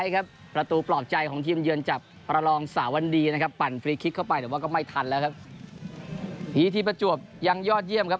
หรือว่าก็ไม่ทันแล้วครับทีมประจวบยังยอดเยี่ยมครับ